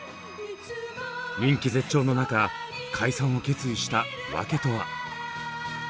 人気絶頂の中解散を決意したワケとは。